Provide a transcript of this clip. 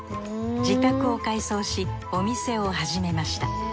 自宅を改装しお店を始めました。